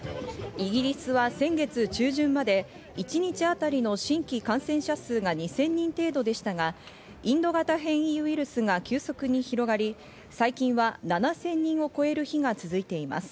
イギリスは先月中旬まで、一日当たりの新規感染者数が２０００人程度でしたがインド型変異ウイルスが急速に広がり、最近は７０００人を超える日が続いています。